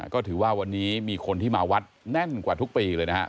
ก็ถือว่าวันนี้มีคนที่มาวัดแน่นกว่าทุกปีเลยนะครับ